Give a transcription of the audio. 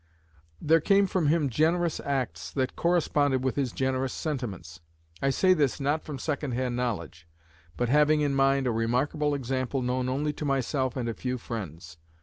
There came from him generous acts that corresponded with his generous sentiments. I say this, not from second hand knowledge, but having in mind a remarkable example known only to myself and a few friends.